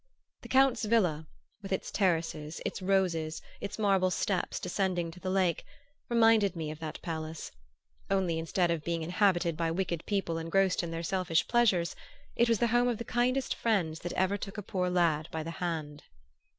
The Count's villa, with its terraces, its roses, its marble steps descending to the lake, reminded me of that palace; only instead of being inhabited by wicked people engrossed in their selfish pleasures it was the home of the kindest friends that ever took a poor lad by the hand.